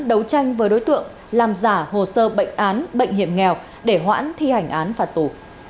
đấu tranh với đối tượng làm giả hồ sơ bệnh án bệnh hiểm nghèo để hoãn thi hành án phạt tù